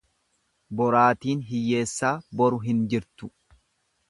Boraatiin hiyyeessaa boru hin jirtu.